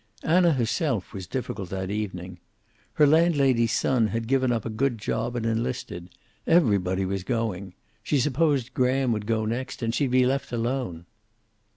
Anna herself was difficult that evening. Her landlady's son had given up a good job and enlisted. Everybody was going. She supposed Graham would go next, and she'd be left alone.